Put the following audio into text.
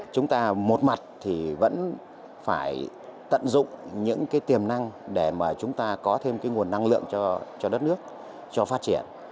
chúng ta một mặt thì vẫn phải tận dụng những cái tiềm năng để mà chúng ta có thêm cái nguồn năng lượng cho đất nước cho phát triển